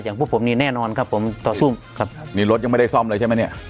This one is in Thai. พวกผมนี่แน่นอนครับผมต่อสู้ครับนี่รถยังไม่ได้ซ่อมเลยใช่ไหมเนี่ย